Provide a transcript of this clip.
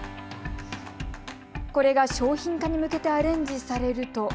これが商品化に向けてアレンジされると。